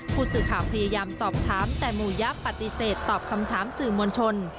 ผู้สื่อข่าวพยายามสอบถามแต่หมู่ยะปฏิเสธตอบคำถามสื่อมวลชน